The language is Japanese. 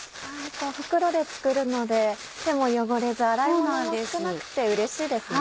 袋で作るので手も汚れず洗い物も少なくてうれしいですね。